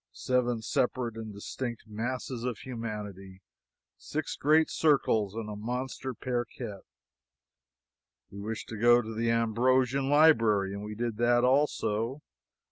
Seven separate and distinct masses of humanity six great circles and a monster parquette. We wished to go to the Ambrosian Library, and we did that also.